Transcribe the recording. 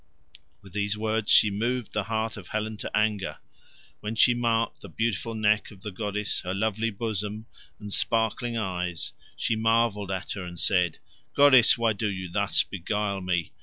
With these words she moved the heart of Helen to anger. When she marked the beautiful neck of the goddess, her lovely bosom, and sparkling eyes, she marvelled at her and said, "Goddess, why do you thus beguile me?